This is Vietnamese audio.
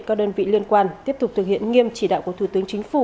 các đơn vị liên quan tiếp tục thực hiện nghiêm chỉ đạo của thủ tướng chính phủ